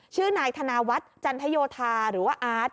ชื่อนายธนาวัฒน์จันทโยธาหรือว่าอาร์ต